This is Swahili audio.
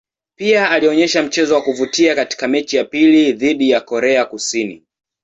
Pia alionyesha mchezo wa kuvutia katika mechi ya pili dhidi ya Korea Kusini.